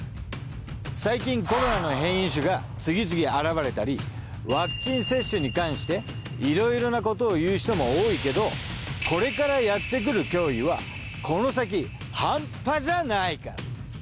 最近コロナの変異種が次々現れたりワクチン接種に関していろいろなことを言う人も多いけどこれからやってくる脅威はこの先ハンパじゃないから。